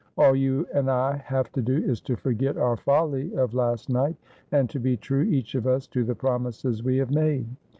All you and I have to do is to forget our folly of last night, and to be true, each of us, to the promises we have made.